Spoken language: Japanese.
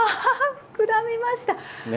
膨らみました！ね？